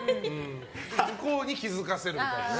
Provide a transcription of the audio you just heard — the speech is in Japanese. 向こうに気付かせるみたいな。